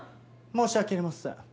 申し訳ありません。